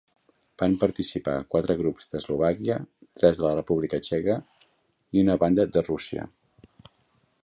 Van participar quatre grups d'Eslovàquia, tres de la República Txeca i una banda de Rússia.